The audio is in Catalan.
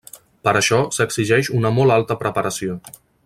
Per això, s'exigeix una molt alta preparació.